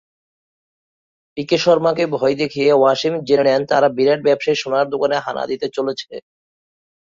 পিকে শর্মাকে ভয় দেখিয়ে ওয়াসিম জেনে নেন তারা বিরাট ব্যবসায়ীর সোনার দোকানে হানা দিতে চলেছে।